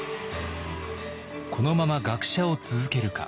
このまま学者を続けるか。